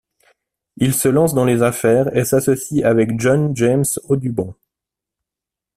Il se lance dans les affaires et s'associe avec John James Audubon.